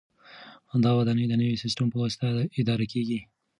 دا ودانۍ د نوي سیسټم په واسطه اداره کیږي.